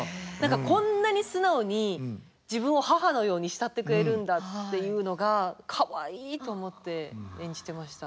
こんなに素直に自分を母のように慕ってくれるんだっていうのがかわいいと思って演じてました。